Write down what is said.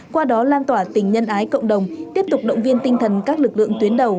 qua đó lan tỏa tình nhân ái cộng đồng tiếp tục động viên tinh thần các lực lượng tuyến đầu